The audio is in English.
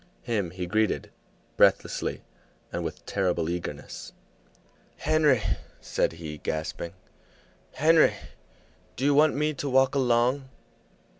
Him he greeted, breathlessly and with terrible eagerness. "Henry," said he, gasping, "Henry, do you want me to walk along?"